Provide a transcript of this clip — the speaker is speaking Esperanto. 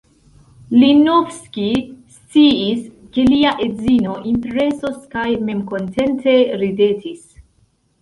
Linovski sciis, ke lia edzino impresos kaj memkontente ridetis.